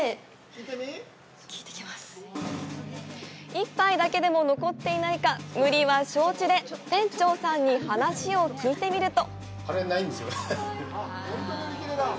１杯だけでも残っていないか無理は承知で店長さんに話を聞いてみると。